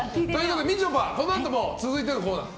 みちょぱ、このあとも続いてのコーナー